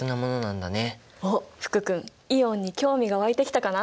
おっ福君イオンに興味が湧いてきたかな？